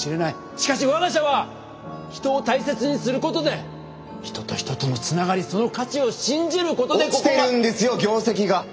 しかし我が社は人を大切にすることで人と人とのつながりその価値を信じることでここま。落ちてるんですよ業績が。